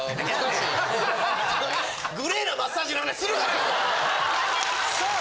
グレーなマッサージの話するからやそこ！